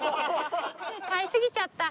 買いすぎちゃった。